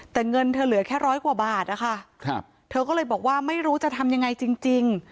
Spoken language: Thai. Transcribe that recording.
แต่เงินเธอเหลือแค่ร้อยกว่าบาทนะคะเธอก็เลยบอกว่าไม่รู้จะทำยังไงจริง